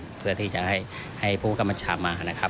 ในการเพื่อที่จะให้พวกกำลังชาติมานะครับ